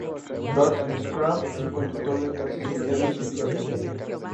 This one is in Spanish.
Lothar Schramm es un conductor de taxi solitario, sin vida social.